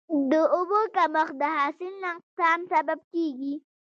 د اوبو کمښت د حاصل نقصان سبب کېږي.